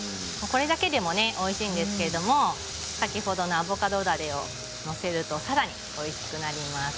これだけでもおいしいんですけれど先ほどのアボカドだれを載せるとさらにおいしくなります。